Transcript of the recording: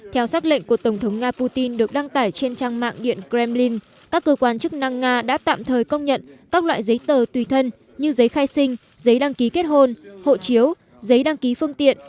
theo xác lệnh của tổng thống nga putin được đăng tải trên trang mạng điện kremlin các cơ quan chức năng nga đã tạm thời công nhận các loại giấy tờ tùy thân như giấy khai sinh giấy đăng ký kết hôn hộ chiếu giấy đăng ký phương tiện